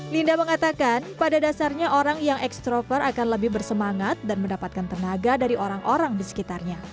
linda mengatakan pada dasarnya orang yang extrover akan lebih bersemangat dan mendapatkan tenaga dari orang orang di sekitarnya